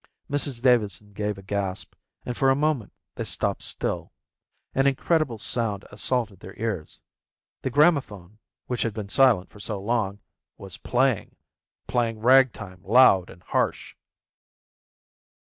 Mrs Davidson gave a gasp, and for a moment they stopped still. An incredible sound assaulted their ears. The gramophone which had been silent for so long was playing, playing ragtime loud and harsh.